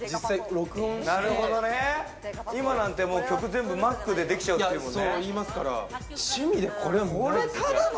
なるほどね、今なんて曲、全部Ｍａｃでできちゃうっていうもんね。